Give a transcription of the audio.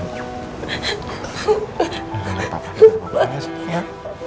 tak apa tak apa